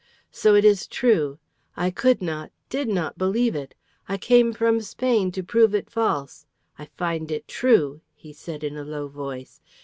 "So it is true. I could not, did not, believe it. I came from Spain to prove it false. I find it true," he said in a low voice.